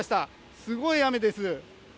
すごい雨です。